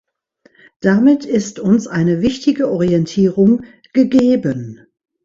Damit ist uns eine wichtige Orientierung gegeben.